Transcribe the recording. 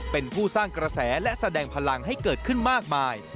เป็นผู้สร้างกระแสและแสดงพลังให้เกิดขึ้นมากมาย